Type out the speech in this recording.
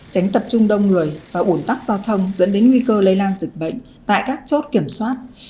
tránh tập trung đông người và ủn tắc giao thông dẫn đến nguy cơ lây lan dịch bệnh tại các chốt kiểm soát